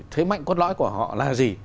thế mạnh cốt lõi của họ là gì